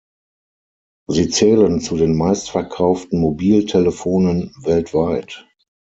Sie zählen zu den meistverkauften Mobiltelefonen weltweit.